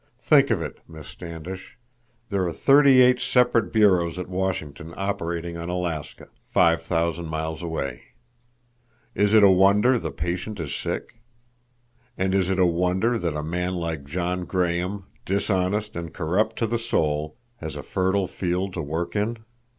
Think of it, Miss Standish! There are thirty eight separate bureaus at Washington operating on Alaska, five thousand miles away. Is it a wonder the patient is sick? And is it a wonder that a man like John Graham, dishonest and corrupt to the soul, has a fertile field to work in?